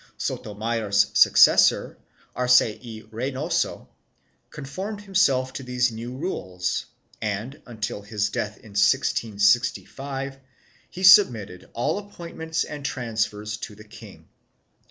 3 Sotomayor's successor, Arce y Reynoso, conformed himself to these new rules and, until his death in 1665, he submitted all appointments and transfers to the king.